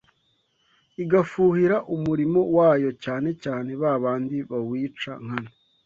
igafuhira umurimo wayo cyane cyane babandi bawica nkana